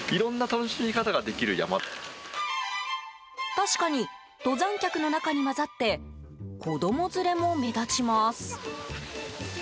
確かに登山客の中に交ざって子供連れも目立ちます。